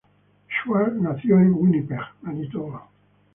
Schwartz Nació en Winnipeg, Manitoba.